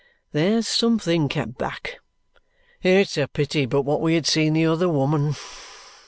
There's something kept back. It's a pity but what we had seen the other woman."